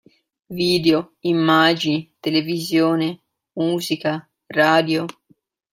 Video, immagini, televisione, musica, radio.